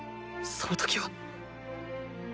その時は？